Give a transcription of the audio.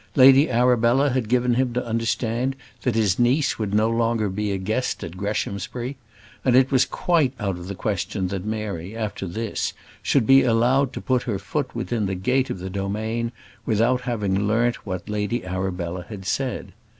Lady Arabella had given him to understand that his niece would no longer be a guest at Greshamsbury; and it was quite out of the question that Mary, after this, should be allowed to put her foot within the gate of the domain without having learnt what Lady Arabella had said.